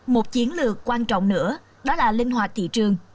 một chiến lược quan trọng nữa đó là linh hoạt thị trường